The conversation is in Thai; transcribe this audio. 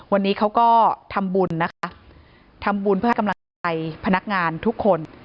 วันนี้เขาก็ทำบุญนะคะทำบุญเพื่อให้กำลังใจพนักงานทุกคน